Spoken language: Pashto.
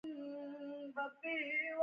افغانستان د خپلو پسونو له امله اړیکې لري.